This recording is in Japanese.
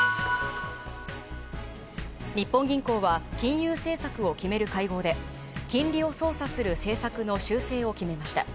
日本銀行は金融政策を決める会合で金利を操作する政策の修正を決めました。